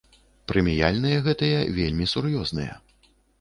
Прэміяльныя гэтыя вельмі сур'ёзныя.